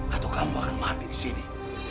atau kamu akan mati disini